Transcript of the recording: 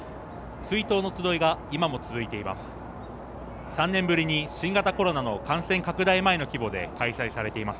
追悼のつどいが今も続いています。